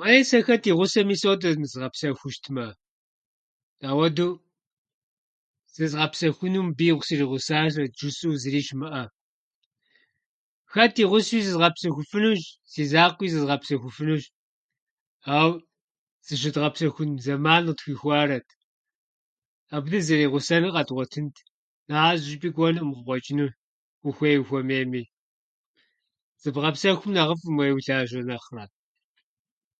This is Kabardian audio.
Уеи сэ хэт и гъусэми содэм зызгъэпсэхуу щытмэ. Ауэдэу зызгъэпсэхуну, мыбы игу- сригъусащырэт жысӏэу, зыри щымыӏэ. Хэт и гъусэуи зызгъэпсэхуфынущ, си закъуи зызгъэпсэхуфынущ, ауэ зыщыдгъэпсэхун зэман къытхуихуарэт. Абы дэ дызигъусэн къэдгъуэтынт. Ахьэр зы щӏыпӏи кӏуэнукъым, къыкъуэкӏынущ, ухуей ухуэмейми. Зыбгъэпсэхум нэхъыфӏым уеи, улажьэ нэхърэ.